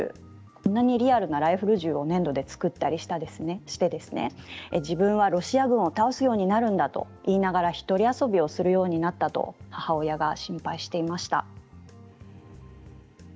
こんなにリアルなライフル銃を粘土で作ったりして自分はロシア軍を倒すようになるんだと言いながら１人遊びをするようになったと母親が心配していました。